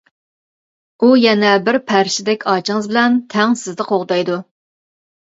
ئۇ يەنە بىر پەرىشتىدەك ئاچىڭىز بىلەن تەڭ سىزنى قوغدايدۇ.